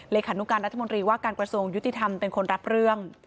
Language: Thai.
ขานุการรัฐมนตรีว่าการกระทรวงยุติธรรมเป็นคนรับเรื่อง